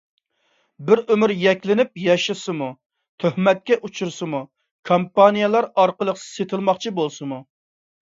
بىر ئۆمۈر يەكلىنىپ ياشىسىمۇ، تۆھمەتكە ئۇچرىسىمۇ، كامپانىيالار ئارقىلىق سېسىتىلماقچى بولسىمۇ.